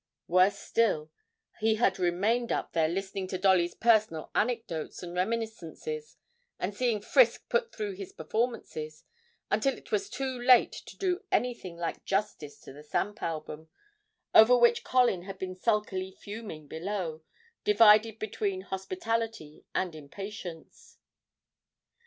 Worse still, he had remained up there listening to Dolly's personal anecdotes and reminiscences and seeing Frisk put through his performances, until it was too late to do anything like justice to the stamp album, over which Colin had been sulkily fuming below, divided between hospitality and impatience.